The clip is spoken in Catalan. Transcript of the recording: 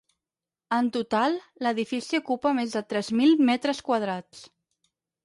En total, l'edifici ocupa més de tres mil metres quadrats.